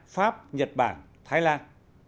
pháp nhật bản thái lan